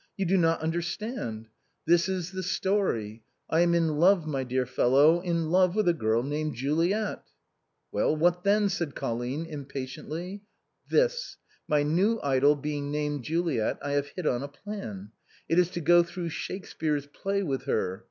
" You do not understand ! This is the story : I am in love, my dear fellow, in love with a girl named Juliet." " Well, what then? " said Colline, impatiently. " This. My new idol being named Juliet, I have hit on a plan. It is to go through Shakespeare's play with her.